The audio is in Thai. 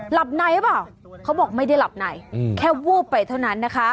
หลับในหรือเปล่าเขาบอกไม่ได้หลับในแค่วูบไปเท่านั้นนะคะ